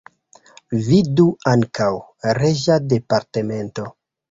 Vidu ankaŭ: Reĝa departemento.